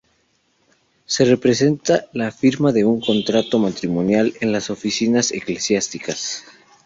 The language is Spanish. Se representa la firma de un contrato matrimonial en las oficinas eclesiásticas.